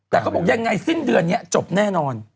แต่เขาบอกยังไงสิ้นเดือนนี้จบแน่นอน